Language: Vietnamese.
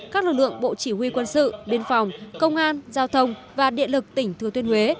các lực lượng bộ chỉ huy quân sự biên phòng công an giao thông và điện lực tỉnh thừa tuyên huế